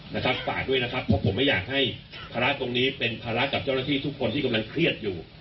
นะครับฝากด้วยนะครับเพราะผมไม่อยากให้ภาระตรงนี้เป็นภาระกับเจ้าหน้าที่ทุกคนที่กำลังเครียดอยู่